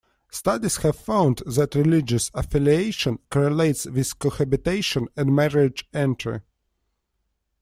Studies have found that religious affiliation correlates with cohabitation and marriage entry.